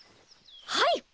はい！